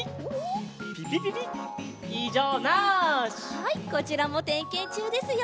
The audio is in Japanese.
はいこちらもてんけんちゅうですよ！